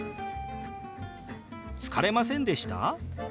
「疲れませんでした？」。